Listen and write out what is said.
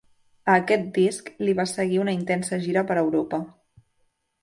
A aquest disc li va seguir una intensa gira per Europa.